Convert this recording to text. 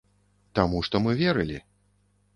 Таму што мы верылі!